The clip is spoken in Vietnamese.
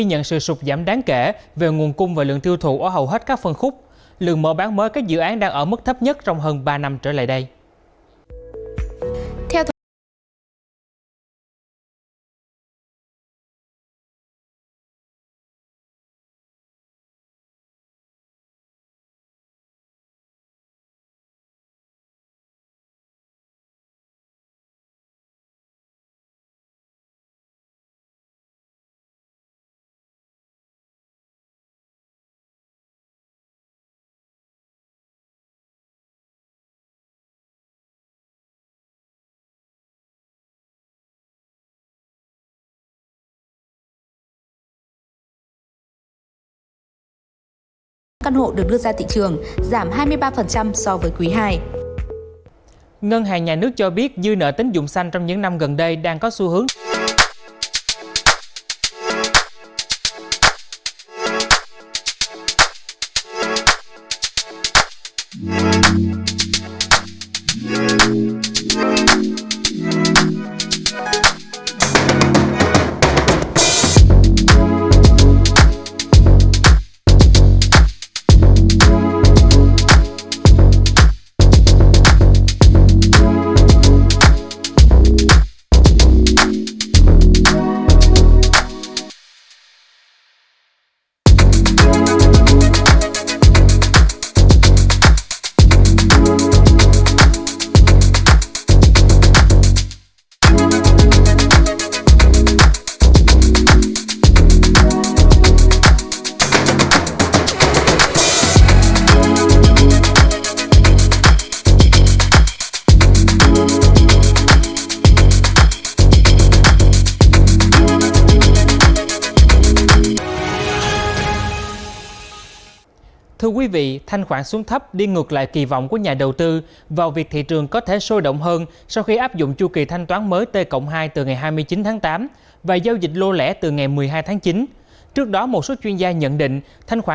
hội đồng quản trị pg bank đã quyết định miễn nhiệm hai phó tổng giám đốc là bà đỗ thị đức minh và ông nguyễn mạnh hải